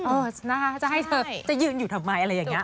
เออเจ้ายิ่งอยู่ทำไมอะไรอย่างนี้